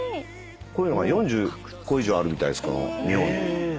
こういうのが４０個以上あるみたいです日本に。